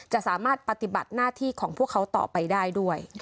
สามารถปฏิบัติหน้าที่ของพวกเขาต่อไปได้ด้วย